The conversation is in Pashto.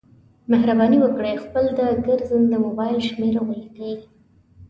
مهرباني وکړئ خپل د ګرځنده مبایل شمېره ولیکئ